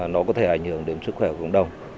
nó có thể ảnh hưởng đến sức khỏe của cộng đồng